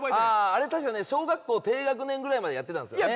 あれ確かね小学校低学年ぐらいまでやってたんですよね。